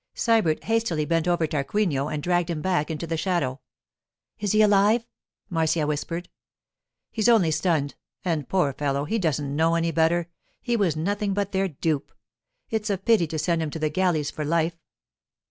Sybert hastily bent over Tarquinio and dragged him back into the shadow. 'Is he alive?' Marcia whispered. 'He's only stunned. And, poor fellow, he doesn't know any better; he was nothing but their dupe. It's a pity to send him to the galleys for life.